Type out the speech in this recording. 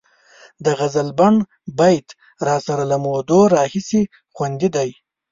د غزلبڼ بیت راسره له مودو راهیسې خوندي دی.